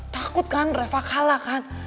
takut kan reva kalah kan